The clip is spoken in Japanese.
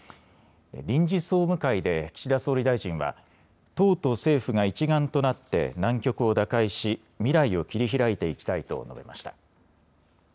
臨時総務会で岸田総理大臣は、党と政府が一丸となって難局を打開し、未来を切り開いていきたいと述べました。